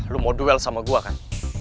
lu mau duel sama gua kan